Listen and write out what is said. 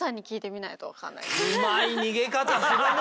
うまい逃げ方するね！